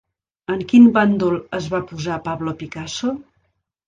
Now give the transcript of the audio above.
En quin bàndol es va posar Pablo Picasso?